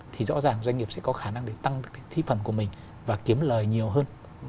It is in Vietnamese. thì rõ ràng doanh nghiệp sẽ có khả năng để tăng thi phần của mình và kiếm lời nhiều hơn